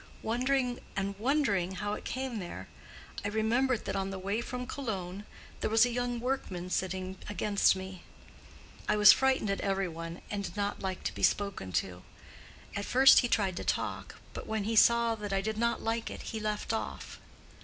Wondering and wondering how it came there, I remembered that on the way from Cologne there was a young workman sitting against me. I was frightened at every one, and did not like to be spoken to. At first he tried to talk, but when he saw that I did not like it, he left off.